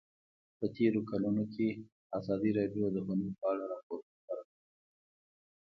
په تېرو کلونو کې ازادي راډیو د هنر په اړه راپورونه خپاره کړي دي.